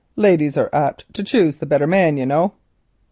Ladies are apt to choose the better man, you know."